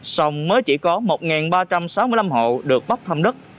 sông mới chỉ có một ba trăm sáu mươi năm hộ được bốc thăm đất